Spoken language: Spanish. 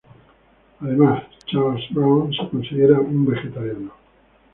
Además Charles Brown se considera un vegetariano.